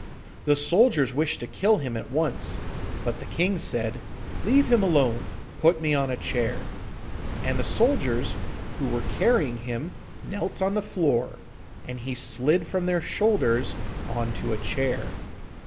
The soldiers wished to kill him at once, but the king said, 'Leave him alone, put me on a chair,' and the soldiers who were carrying him knelt on the floor, and he slid from their shoulders on to a chair.